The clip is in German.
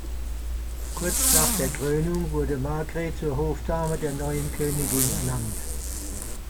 Kurz nach der Krönung wurde Margaret zur Hofdame der neuen Königin ernannt.